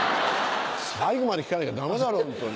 最後まで聞かなきゃダメだろホントに。